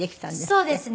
そうですね。